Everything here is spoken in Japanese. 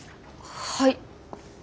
はい。